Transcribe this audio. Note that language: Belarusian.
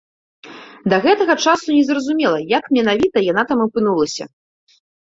Да гэтага часу незразумела, як менавіта яна там апынулася.